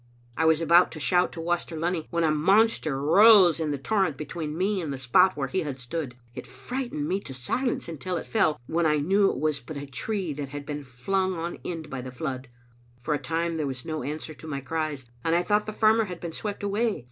I was about to shout to Waster Lunny, when a monster rose in the torrent between me and the spot where he had stood. It frightened me to silence until it fell, when I knew it was but a tree that had been flung on end by the flood. For a time there was no answer to my cries, and I thought the farmer had been swept away.